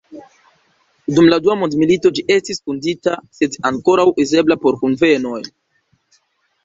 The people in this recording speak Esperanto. Dum la Dua Mondmilito ĝi estis vundita, sed ankoraŭ uzebla por kunvenoj.